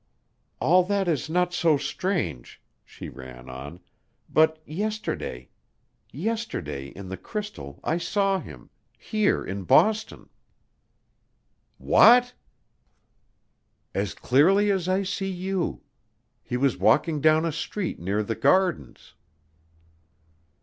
"All that is not so strange," she ran on; "but yesterday yesterday in the crystal I saw him here in Boston." "What!" "As clearly as I see you. He was walking down a street near the Gardens."